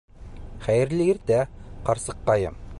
Хәйерле иртә, ҡарсыҡҡайым!